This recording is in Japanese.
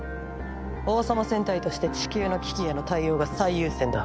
王様戦隊としてチキューの危機への対応が最優先だ。